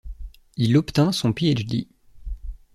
Il obtint son Ph.D.